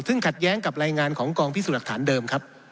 ซึ่งขัดแย้งกับรายงานของกองพิสูจน์หลักฐานเดิมครับ